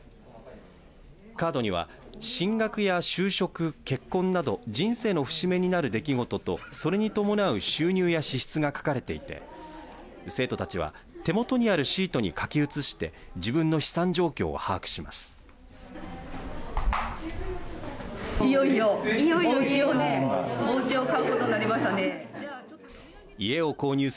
カードには進学や就職結婚など人生の節目になる出来事とそれに伴う収入や支出が書かれていて生徒たちは手元にあるシートに書き写して自分の資産状況を把握します。